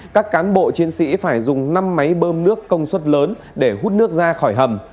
các cán bộ chiến sĩ phải dùng năm máy bơm nước công suất lớn để hút nước ra khỏi hầm